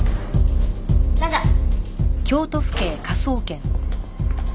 ラジャー。